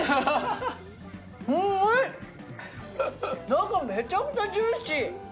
中めちゃくちゃジューシー！